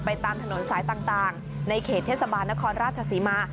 ตามถนนสายต่างในเขตเทศบาลนครราชศรีมา